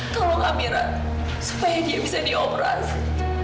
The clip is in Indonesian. tolong amira supaya dia bisa dioperasi